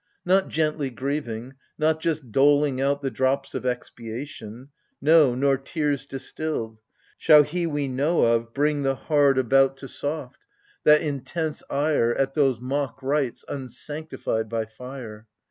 Not gently grieving, not just doling out The drops of expiation — no, nor tears distilled — Shall he we know of bring the hard about 8 AGAMEMNON. To soft — that intense ire At those mock rites imsanctified by fire.